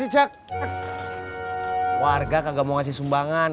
berharga kagak mau ngasih sumbangan